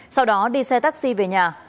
sau đó đi xe taxi về nhà